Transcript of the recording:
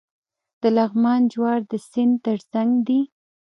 د لغمان جوار د سیند ترڅنګ دي.